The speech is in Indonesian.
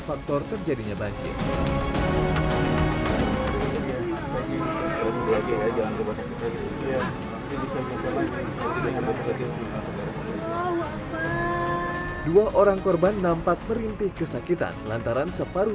faktor terjadinya banjir dua orang korban nampak merintih kesakitan lantaran separuh